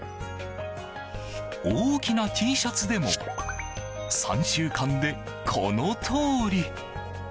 大きなＴシャツでも３週間で、このとおり。